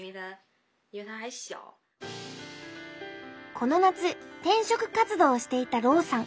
この夏転職活動をしていた朗さん。